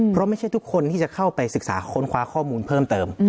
เพราะไม่ใช่ทุกคนที่จะเข้าไปศึกษาค้นคว้าข้อมูลเพิ่มเติม